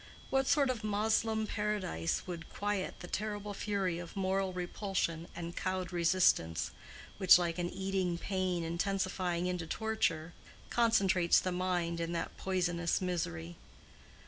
What sort of Moslem paradise would quiet the terrible fury of moral repulsion and cowed resistance which, like an eating pain intensifying into torture, concentrates the mind in that poisonous misery?